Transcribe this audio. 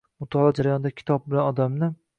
Mutolaa jarayonida kitob bilan odamni